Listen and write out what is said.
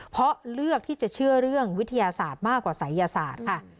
เพราะเลือกที่จะเชื่อเรื่องวิทยาศาสตร์มากกว่าศัยยศาสตร์ค่ะ